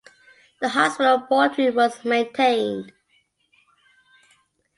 The hospital boardroom was maintained.